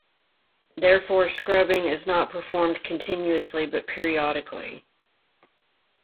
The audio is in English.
Therefore, scrubbing is not performed continuously but periodically.